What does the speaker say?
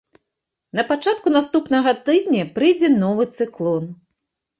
На пачатку наступнага тыдня прыйдзе новы цыклон.